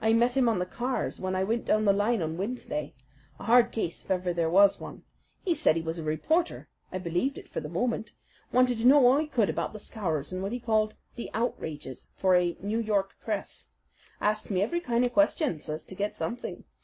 I met him on the cars when I went down the line on Wednesday a hard case if ever there was one. He said he was a reporter. I believed it for the moment. Wanted to know all he could about the Scowrers and what he called 'the outrages' for a New York paper. Asked me every kind of question so as to get something.